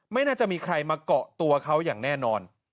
ไม่น่าจะมีใครมาเกาะตัวเขาอย่างแน่นอน